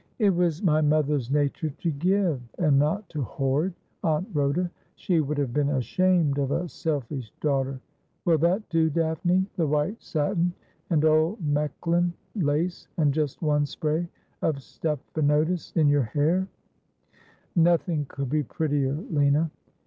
' It was my mother's nature to give, and not to hoard. Aunt Rhoda. She would have been ashamed of a selfish daughter. Will that do. Daphne ? The white satin and old Mechlin lace, and just one spray of stephanotis in your hair?' 'I deme that Hire Herte ivas Ful of Wo.' 211 ' Nothing could be prettier, Lina.'